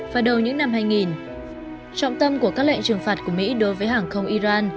trọng tâm của các lệnh trừng phạt của mỹ đối với hàng không iran